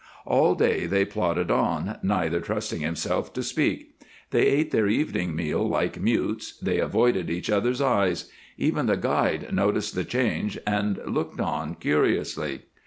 All day they plodded on, neither trusting himself to speak. They ate their evening meal like mutes; they avoided each other's eyes. Even the guide noticed the change and looked on curiously.